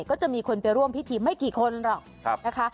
ก็จะมีคนไปร่วมพิธีไม่กี่คนหรอกนะคะ